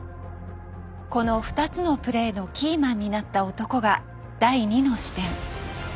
この２つのプレーのキーマンになった男が第２の視点。